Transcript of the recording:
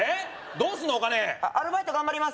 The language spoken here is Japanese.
どうすんのお金アルバイト頑張ります